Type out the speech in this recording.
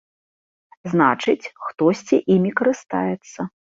Значыць, хтосьці імі карыстаецца.